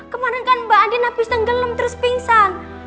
kemaren kan mbak andi nabis tenggelam terus pingsan